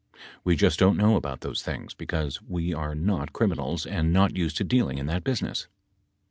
We just don't know about those things, because we are not criminals and not used to dealing in that business.